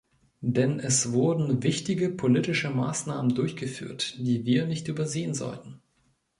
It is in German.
Denn es wurden wichtige politische Maßnahmen durchgeführt, die wir nicht übersehen sollten.